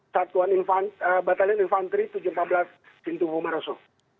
satuan batalion infantry tujuh ratus empat belas tintu bumaroso